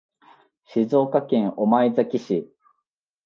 静岡県御前崎市